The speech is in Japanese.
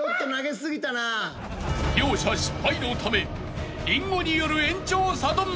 ［両者失敗のためリンゴによる］